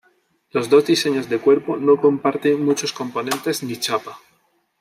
Los dos diseños de cuerpo no comparten muchos componentes ni chapa.